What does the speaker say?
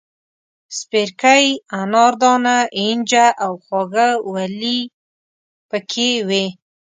سپیرکۍ، اناردانه، اینجه او خواږه ولي پکې وې.